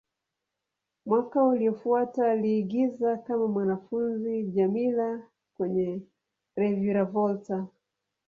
Mwaka uliofuata, aliigiza kama mwanafunzi Djamila kwenye "Reviravolta".